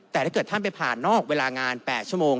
แต่ถ้าเกิดท่านไปผ่านนอกเวลางาน๘ชั่วโมง